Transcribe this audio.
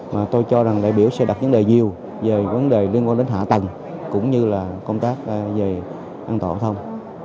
mà tôi cho rằng đại biểu sẽ đặt vấn đề nhiều về vấn đề liên quan đến hạ tầng cũng như là công tác về an toàn giao thông